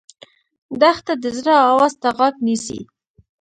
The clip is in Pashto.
دښته د زړه آواز ته غوږ نیسي.